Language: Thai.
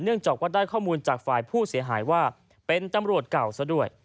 จากว่าได้ข้อมูลจากฝ่ายผู้เสียหายว่าเป็นตำรวจเก่าซะด้วย